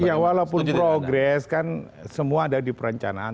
ya walaupun progres kan semua ada di perencanaan